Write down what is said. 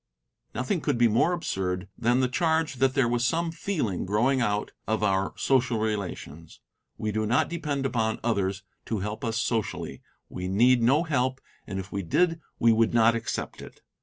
Nothing could be more absurd that the charge that there was some feeling growing out of our social relations. We do not depend upon others to help us socially; we need no help, and if we did we would not accept it.